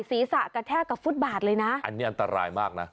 ศีรษะกระแทกกับฟุตบาทเลยนะอันนี้อันตรายมากนะ